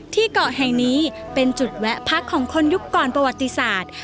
ที่เกาะแห่งนี้เป็นจุดแวะพักของคนยุคก่อนประวัติศาสตร์